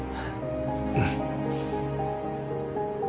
うん。